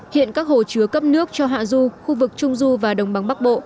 hiện các hồ chứa cấp nước cho hạ du khu vực trung du và đồng bằng bắc bộ